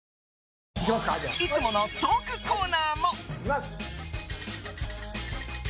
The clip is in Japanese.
いつものトークコーナーも。